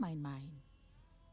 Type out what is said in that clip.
kamu ini takut main main